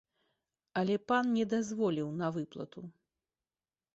Але пан не дазволіў на выплату.